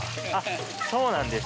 そうなんですね。